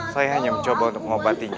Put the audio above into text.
saya hanya mencoba untuk mengobatinya